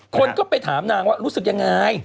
คนก็ไปถามนางว่ารู้สึกยังไง